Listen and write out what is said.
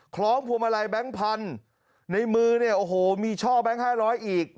ล้องพวงมาลัยแบงค์พันธุ์ในมือเนี่ยโอ้โหมีช่อแบงค์๕๐๐อีก